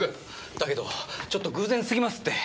だけどちょっと偶然すぎますって。